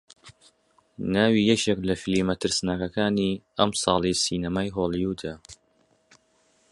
ناوی یەکێک لە فیلمە ترسناکەکانی ئەمساڵی سینەمای هۆلیوودە